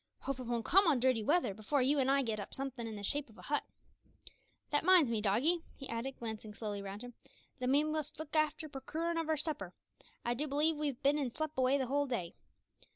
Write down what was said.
Hope it won't come on dirty weather before you an' I get up somethin' in the shape o' a hut. That minds me, doggie," he added, glancing slowly round him, "that we must look after prokoorin' of our supper. I do believe we've bin an' slep away a whole day!